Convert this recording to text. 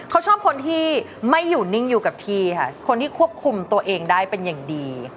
เขาชอบคนที่ไม่อยู่นิ่งอยู่กับที่ค่ะคนที่ควบคุมตัวเองได้เป็นอย่างดี